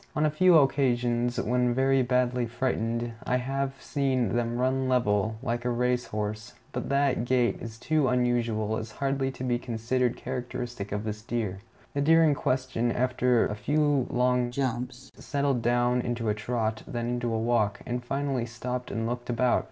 On a few occasions, when very badly frightened, I have seen them run level, like a race horse; but that gait is so unusual as hardly to be considered characteristic of this deer. The deer in question, after a few long jumps, settled down into a trot, then into a walk, and finally stopped and looked about.